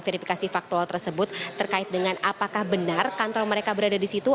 verifikasi faktual tersebut terkait dengan apakah benar kantor mereka berada di situ